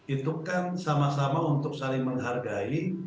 itu kan sama sama untuk saling menghargai